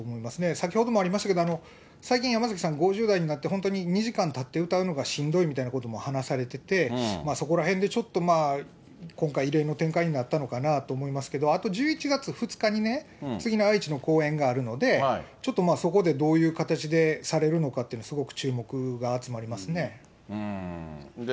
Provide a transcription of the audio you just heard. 先ほどもありましたけれども、最近、山崎さん、５０代になって、本当に２時間たって歌うのがしんどいみたいなことも話されてて、そこらへんでちょっと今回、異例の展開になったのかなと思いますけれども、あと１１月２日にね、次の愛知の公演があるので、ちょっとそこでどういう形でされるのかっていうのは、すごく注目が集まりますね。